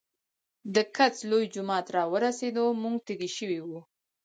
د کڅ لوے جومات راورسېدۀ مونږ تږي شوي وو